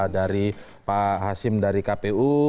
dari pak hasim dari kpu